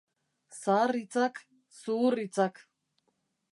Zahar hitzak, zuhur hitzak.